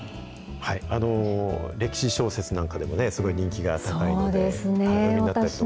歴史小説なんかでもね、すごい人気が高いので大変だったかと。